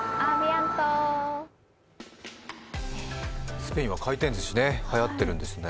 スペインは回転ずしはやってるんですね。